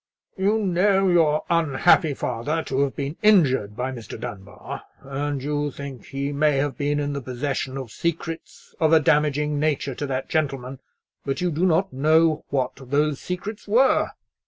"You know your unhappy father to have been injured by Mr. Dunbar, and you think he may have been in the possession of secrets of a damaging nature to that gentleman; but you do not know what those secrets were.